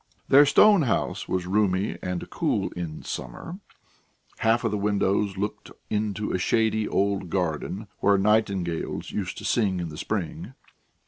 Their stone house was roomy and cool in summer; half of the windows looked into a shady old garden, where nightingales used to sing in the spring.